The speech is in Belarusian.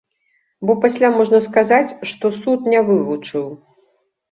Бо пасля можна сказаць, што суд не вывучыў.